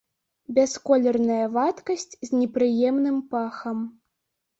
Бясколерная вадкасць з непрыемным пахам.